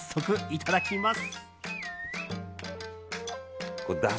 いただきます。